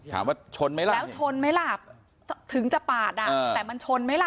ถามว่าชนไหมล่ะแล้วชนไหมล่ะถึงจะปาดอ่ะแต่มันชนไหมล่ะ